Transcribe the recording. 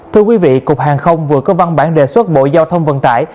thưa quý vị cục hàng không vừa có văn bản đề xuất bộ giao thông vận tải